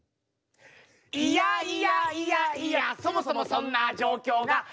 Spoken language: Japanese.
「いやいやいやいやそもそもそんな状況が」